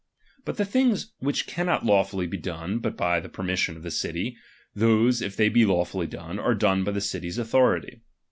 But the things Tfhich cannot lawfully be done but by the permis sion of the city, those, if they be lawfully done, are ^one by the city's authority.